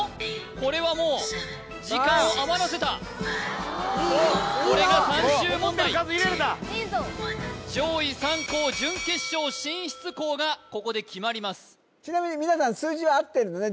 これはもうこれが最終問題上位３校準決勝進出校がここで決まりますちなみに皆さん数字は合ってるのね？